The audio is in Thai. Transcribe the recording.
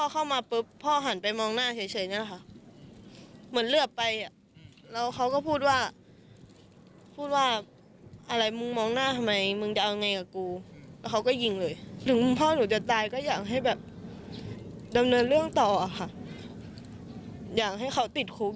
ดำเนินคดีอะค่ะเงินไม่น่าจะถึงหมื่นอะค่ะ